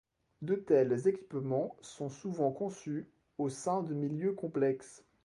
De tels équipements sont souvent conçus au sein de milieux complexes.